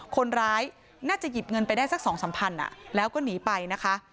คนร้าน่าจะหลีบเงินไปได้สักสองสัมพันธุ์อ่ะแล้วก็หนีไปนะคะ